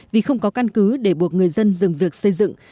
vì không có căn cứ để buộc người dân dừng việc xây dựng